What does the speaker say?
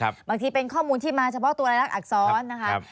บางทีเป็นข้อมูลที่มาเฉพาะตัวรายลักษณอักษรนะครับ